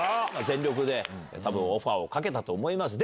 全力でオファーをかけたと思います。